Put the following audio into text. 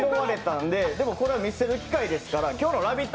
でも、これは見せる機会ですから、今日の「ラヴィット！」